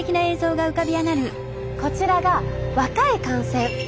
こちらが若い汗腺。